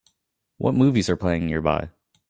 what movies are playing nearby